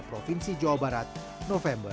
provinsi jawa barat november